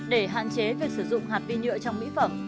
để hạn chế việc sử dụng hạt vi nhựa trong mỹ phẩm